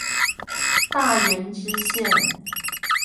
大園支線